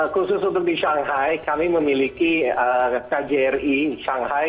khusus untuk di shanghai kami memiliki kjri shanghai